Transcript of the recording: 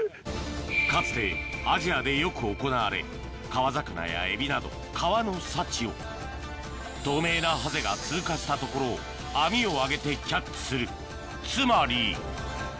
かつてアジアでよく行われ川魚やエビなど川の幸を透明なハゼが通過したところを網を揚げてキャッチする